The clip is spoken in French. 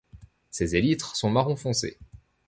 Ses élytres sont marron foncé.